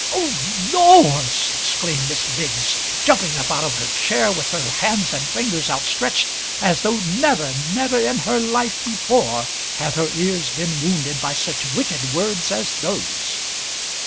"Oh laws!" exclaimed Miss Biggs, jumping up out of her chair with her hands and fingers outstretched, as though never, never in her life before, had her ears been wounded by such wicked words as those.